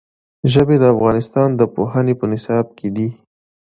ژبې د افغانستان د پوهنې په نصاب کې دي.